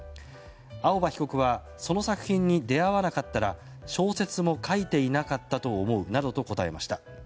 青葉被告はその作品に出会わなかったら小説も書いていなかったと思うなどと答えました。